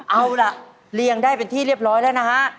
เอาล่ะเรียงได้เป็นที่เรียบร้อยแล้วนะฮะ